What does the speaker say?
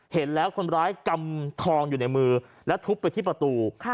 เห็นแล้วคนร้ายกำทองอยู่ในมือและทุบไปที่ประตู